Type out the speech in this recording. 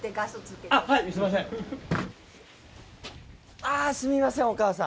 あぁすみませんお母さん。